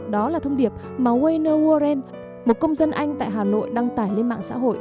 đó là thông điệp mà wayne warren một công dân anh tại hà nội đăng tải lên mạng xã hội